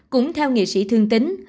cũng theo nghệ sĩ thương tín